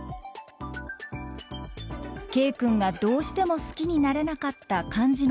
Ｋ君がどうしても好きになれなかった漢字の書き取り。